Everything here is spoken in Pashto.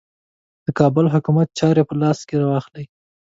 د کابل حکومت چاري په لاس کې واخلي.